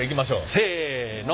せの。